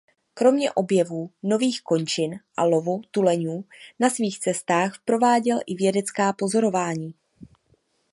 Kromě objevů nových končin a lovu tuleňů na svých cestách prováděl i vědecká pozorování.